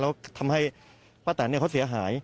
แล้วทำให้ป้าแตนเขาเสียหาย